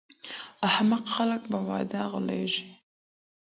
احمق خلګ په وعدو غولیږي.